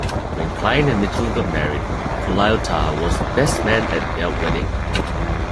When Klein and Mitchell got married, Colaiuta was the best man at their wedding.